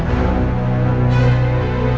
saya itu apaan tanken